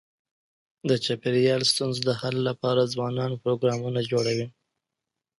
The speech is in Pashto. د چاپېریال ستونزو د حل لپاره ځوانان پروګرامونه جوړوي.